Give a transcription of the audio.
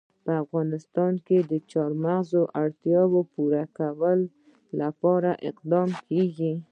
په افغانستان کې د چار مغز د اړتیاوو پوره کولو لپاره اقدامات کېږي.